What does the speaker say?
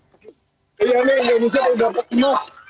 iya nek tidak bisa sudah penuh